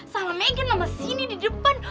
salah megan sama sini di depan